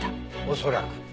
恐らく。